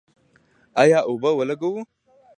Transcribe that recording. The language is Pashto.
آیا اوبه ولګوو؟